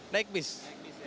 naik bis ya